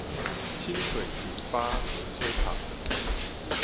清水停八停車場